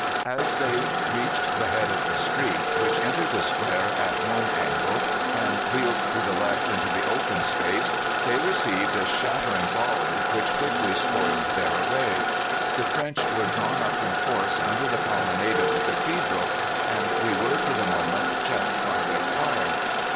As they reached the head of the street, which entered the square at one angle, and wheeled to the left into the open space, they received a shattering volley, which quickly spoiled their array. The French were drawn up in force under the colonnade of the cathedral, and we were for the moment checked by their fire.